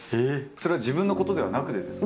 それは自分のことではなくてですか？